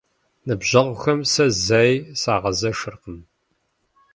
Ныбжьэгъухэм сэ зэи сагъэзэшыркъым.